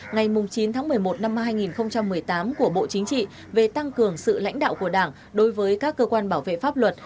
ngày chín tháng một mươi một năm hai nghìn một mươi tám của bộ chính trị về tăng cường sự lãnh đạo của đảng đối với các cơ quan bảo vệ pháp luật